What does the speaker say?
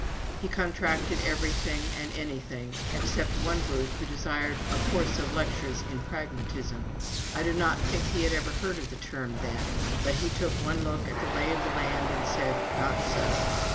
He contracted everything and anything except one group who desired a course of lectures in Pragmatism. I do not think he had ever heard of the term then, but he took one look at the lay of the land and said not so!